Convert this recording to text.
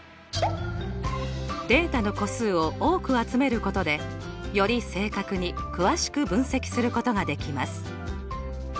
データの個数を多く集めることでより正確に詳しく分析することができます。